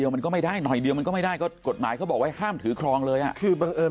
มันก็ต้องมีความเป็นเอกภาพ